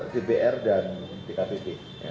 tpr dan tkpt